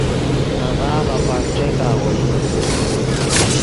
نے غاف اپک ݯیک آغوئی